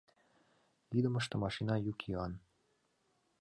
Идымыште машина йӱк-йӱан.